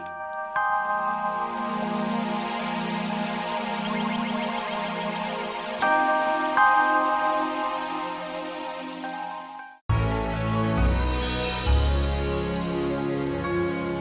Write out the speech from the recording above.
kayak mama sih boy